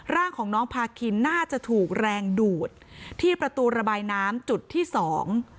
ร่างของน้องพาคินน่าจะถูกแรงดูดที่ประตูระบายน้ำจุดที่สอง